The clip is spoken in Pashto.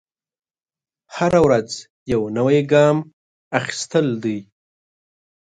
هره ورځ یو نوی ګام اخیستل دی.